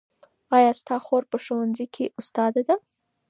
ایا ستا خور په ښوونځي کې استاده ده؟